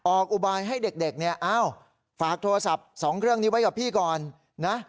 อุบายให้เด็กเนี่ยอ้าวฝากโทรศัพท์๒เครื่องนี้ไว้กับพี่ก่อนนะ